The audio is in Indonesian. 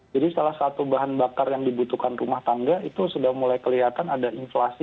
jadi salah satu bahan bakar yang dibutuhkan rumah tangga itu sudah mulai kelihatan ada inflasi